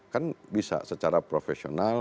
kan bisa secara profesional